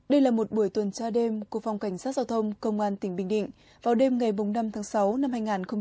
đây là một buổi tuần tra đêm của phòng cảnh sát giao thông công an tỉnh bình định vào đêm ngày năm tháng sáu năm hai nghìn hai mươi ba